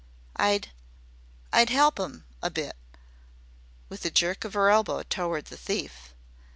I'd I'd 'elp 'IM a bit," with a jerk of her elbow toward the thief.